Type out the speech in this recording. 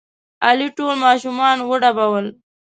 علي ټول ماشومان وډبول.